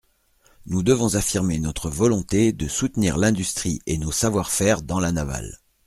Nous devons affirmer notre volonté de soutenir l’industrie et nos savoir-faire dans la navale.